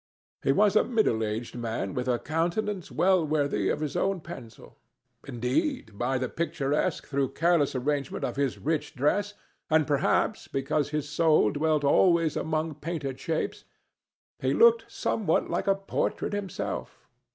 He was a middle aged man with a countenance well worthy of his own pencil. Indeed, by the picturesque though careless arrangement of his rich dress, and perhaps because his soul dwelt always among painted shapes, he looked somewhat like a portrait himself.